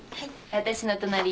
私の隣。